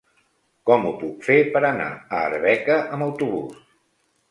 Com ho puc fer per anar a Arbeca amb autobús?